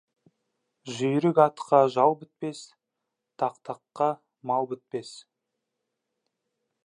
Жүйрік атқа жал бітпес, тақтаққа мал бітпес.